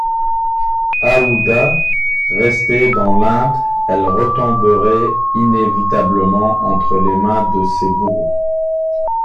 Aouda restait dans l’Inde, elle retomberait inévitablement entre les mains de ses bourreaux.